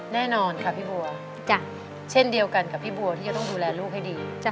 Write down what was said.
แน่นอนค่ะพี่บัวเช่นเดียวกันกับพี่บัวที่จะต้องดูแลลูกให้ดี